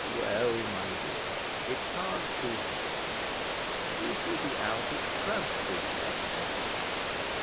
"Well, my dear, it can't be helped; we shall be out at Crabtree then."